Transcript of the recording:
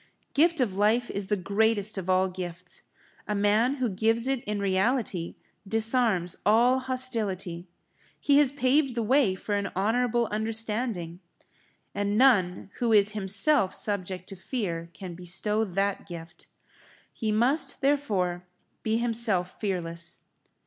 Gift of life is the greatest of all gifts; a man who gives it in reality, disarms all hostility. He has paved the way for an honourable understanding. And none who is himself subject to fear can bestow that gift. He must, therefore, be himself fearless.